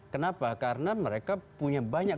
kenapa karena mereka punya banyak